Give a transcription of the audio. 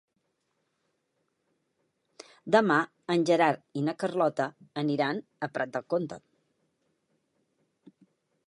Demà en Gerard i na Carlota aniran a Prat de Comte.